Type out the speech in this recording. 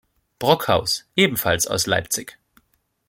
Brockhaus, ebenfalls aus Leipzig.